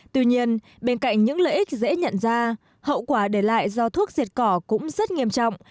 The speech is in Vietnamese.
tuy nhiên bên cạnh những lợi ích dễ nhận ra hậu quả để lại do thuốc diệt cỏ cũng rất nghiêm trọng